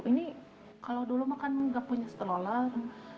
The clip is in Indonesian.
ini kalau dulu kan gak punya stroller